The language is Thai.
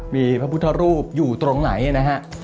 มีพระพุทธรูปอยู่ตรงไหนนะฮะ